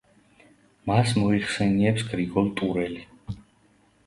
მას მოიხსენიებს გრიგოლ ტურელი.